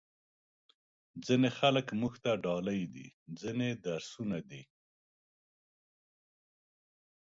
ځینې خلک موږ ته ډالۍ دي، ځینې درسونه دي.